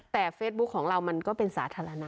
แต่เฟซบุ๊คของเรามันก็เป็นสาธารณะ